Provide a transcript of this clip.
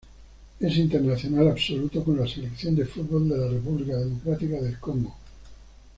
Es internacional absoluto con la Selección de fútbol de la República Democrática del Congo.